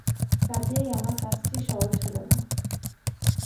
কাজেই আমার কাজটি সহজ হল না।